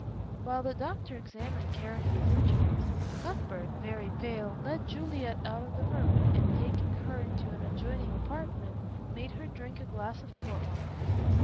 While the doctor examined Caranby's injuries, Cuthbert, very pale, led Juliet out of the room, and taking her into an adjoining apartment, made her drink a glass of port wine.